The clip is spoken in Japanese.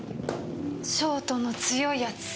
ショートの強いやつ。